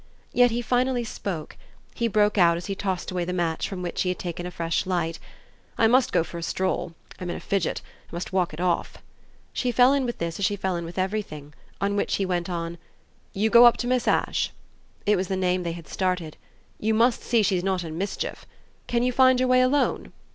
Yet he finally spoke he broke out as he tossed away the match from which he had taken a fresh light: "I must go for a stroll. I'm in a fidget I must walk it off." She fell in with this as she fell in with everything; on which he went on: "You go up to Miss Ash" it was the name they had started; "you must see she's not in mischief. Can you find your way alone?"